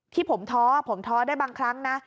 ที่ผมท้อผมท้อได้บางครั้งนะ